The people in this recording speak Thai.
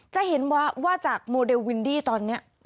จะเห็นว่าจากโมเดลวินดี้ตอนนี้